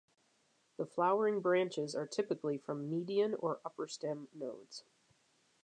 The flowering branches are typically from median or upper stem nodes.